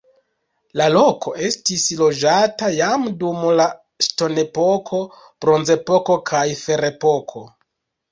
La loko estis loĝata jam dum la ŝtonepoko, bronzepoko kaj ferepoko.